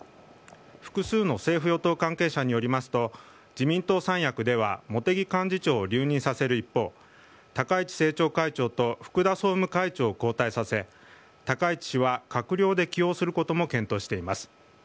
複数の政府与党関係者によりますと、自民党三役では茂木幹事長を留任させる一方、高市政調会長と福田総務会長を交代させ、高市氏は閣僚で起用することも検討しています。